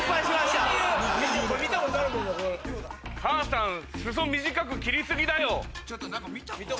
母さん裾短く切り過ぎだよ。